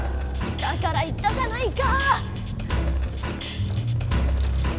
だから言ったじゃないか！